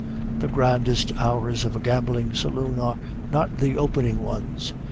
The grandest hours of a gambling saloon are not the opening ones.